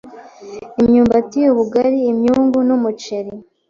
imyumbati, ubugari, imyungu, n’umuceri,